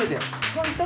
本当？